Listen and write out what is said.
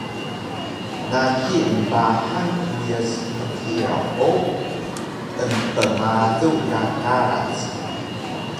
nasi embahang uyas kjiraw o empmalu ka karac